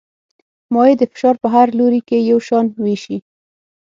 مایع د فشار په هر لوري کې یو شان وېشي.